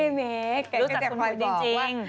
ไม่ได้เมครู้จักคุณหุยดิจริง